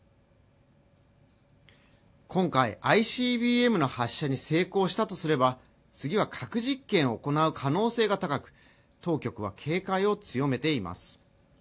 今回ＩＣＢＭの発射に成功したとすれば次は核実験を行う可能性が高く当局は警戒を強めています